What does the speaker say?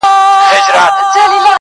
كوم اورنګ به خپل زخمونه ويني ژاړې.!